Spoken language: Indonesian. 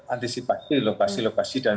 antisipasi lokasi lokasi dan